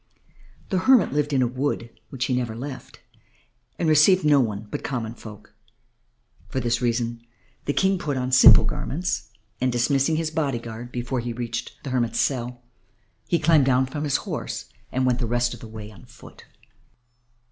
The hermit lived in a wood which he never left, and received none but common folk. For this reason the King put on simple garments, and, dismissing his body guard before he reached the hermit's cell, he climbed down from his horse and went the rest of the way alone and on foot.